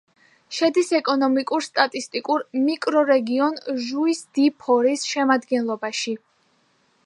შედის ეკონომიკურ-სტატისტიკურ მიკრორეგიონ ჟუის-დი-ფორის შემადგენლობაში.